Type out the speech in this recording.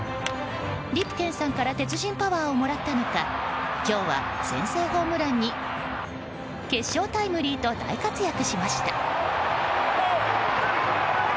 リプケンさんから鉄人パワーをもらったのか今日は先制ホームランに決勝タイムリーと大活躍しました。